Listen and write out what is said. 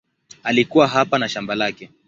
Alikuwa hapa na shamba lake.